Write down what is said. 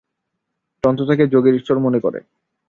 তন্ত্র তাঁকে "যোগের ঈশ্বর" মনে করে।